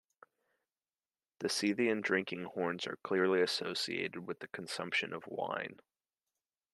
The Scythian drinking horns are clearly associated with the consumption of wine.